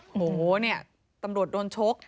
โหเนี่ยตำรวจโดนชก